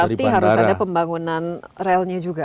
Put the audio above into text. jadi berarti harus ada pembangunan relnya juga